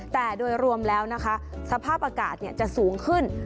แต่โดยรวมแล้วนะคะสภาพอากาศจะสูงขึ้น